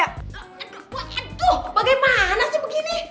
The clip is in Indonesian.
eh tuh bagaimana sih begini